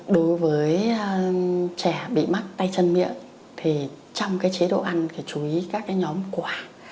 đối với trẻ bị mắc tay chân miệng thì trong chế độ ăn phải chú ý các nhóm quả